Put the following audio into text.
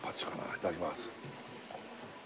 いただきます